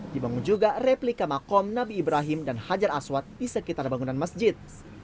dibangun juga replika makom nabi ibrahim dan hajar aswad di sekitar bangunan masjid